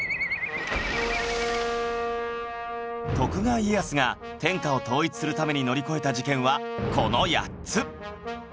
徳川家康が天下を統一するために乗り越えた事件はこの８つ